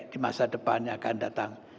di masa depan yang akan datang